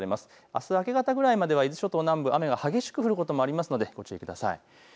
あす明け方ぐらいまで伊豆諸島南部は雨が激しく降ることもあるのでお気をつけください。